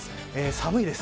寒いです。